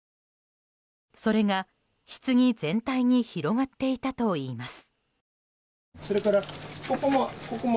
それが棺全体に広がっていたといいます。